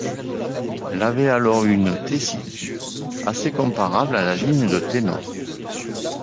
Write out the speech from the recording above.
Elle avait alors une tessiture assez comparable à la ligne de ténor.